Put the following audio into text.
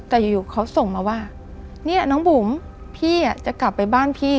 แต่อยู่เขาส่งมาว่าเนี่ยน้องบุ๋มพี่จะกลับไปบ้านพี่